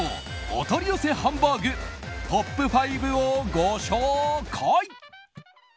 お取り寄せハンバーグトップ５をご紹介！